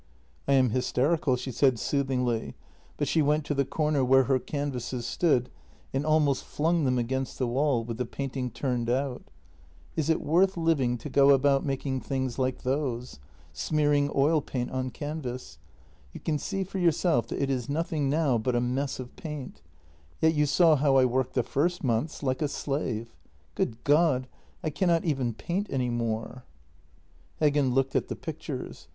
" I am hysterical," she said soothingly, but she went to the JENNY 267 corner where her canvases stood and almost flung them against the wall, with the painting turned out: " Is it worth living to go about making things like those? Smearing oil paint on canvas? You can see for yourself that it is nothing now but a mess of paint. Yet you saw how I worked the first months — like a slave. Good God ! I cannot even paint any more." Heggen looked at the pictures.